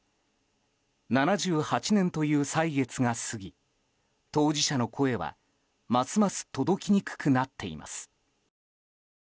７８年という歳月が過ぎ当事者の声はますます届きにくくなっています。